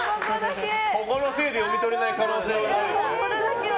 ここのせいで読み取れない可能性が。